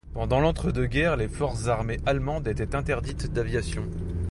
Pendant l'entre-deux-guerres, les forces armées allemandes étaient interdites d'aviation.